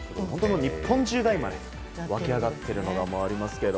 日本中が沸き上がっているのもありますけど。